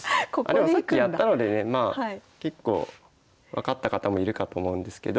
あでもさっきやったのでね結構分かった方もいるかと思うんですけど。